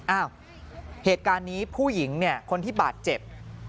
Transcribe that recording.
อ้าวเหตุการณ์นี้ผู้หญิงเนี่ยคนที่บาดเจ็บ